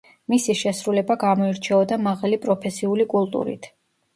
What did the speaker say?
მისი შესრულება გამოირჩეოდა მაღალი პროფესიული კულტურით.